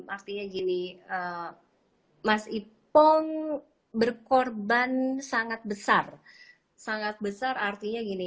artinya gini mas ipong berkorban sangat besar sangat besar artinya gini